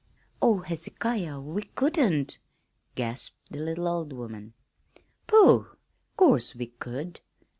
"Oh, Hezekiah, we couldn't!" gasped the little old woman. "Pooh! 'Course we could.